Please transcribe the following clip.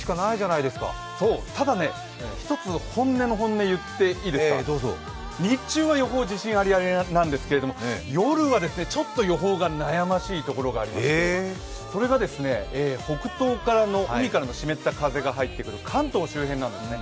ただね、１つ本音の本音言っていいですが日中は予報のままなんですけど夜はちょっと予報が悩ましいところがありましてそれが北東からの海からの湿った風が入ってくる関東周辺なんですね。